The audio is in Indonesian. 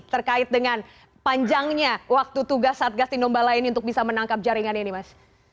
terkait dengan panjangnya waktu tugas satgas tinombala ini untuk bisa menangkap jaringan ini mas